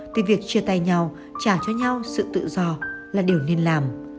thì việc chia tay nhau trả cho nhau sự tự do là điều nên làm